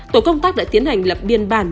tổ công tác đã tiến hành lập biên bản